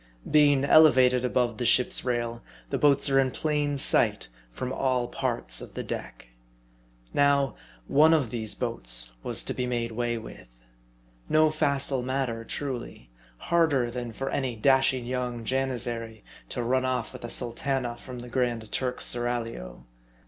Being elevated above the ship's rail, the boats are in plain sight from all parts of the deck. Now, one of these boats was to be made way with. No MARDI. 33 facile matter, truly. Harder than for any dashing young Janizary to run off with a sultana from the Grand Turk's seraglio.